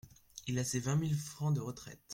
Il a ses vingt mille francs de retraite.